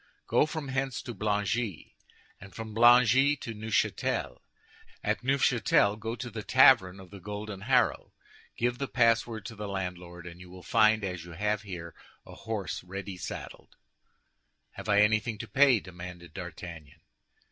"Go from hence to Blangy, and from Blangy to Neufchâtel. At Neufchâtel, go to the tavern of the Golden Harrow, give the password to the landlord, and you will find, as you have here, a horse ready saddled." "Have I anything to pay?" demanded D'Artagnan.